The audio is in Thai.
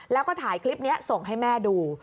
แล้วก็ถ่ายคลิปนี้ส่งให้แม่ดู